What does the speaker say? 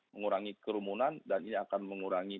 mengurangi kerumunan dan ini akan mengurangi